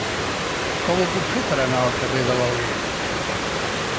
Com ho puc fer per anar al carrer de l'Alguer?